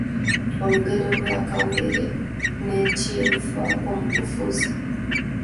Olugero lwa Kawere ne kye lufaako mu bufunze